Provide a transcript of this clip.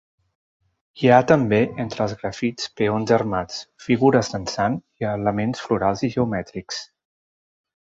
Hi ha també entre els grafits peons armats, figures dansant i elements florals i geomètrics.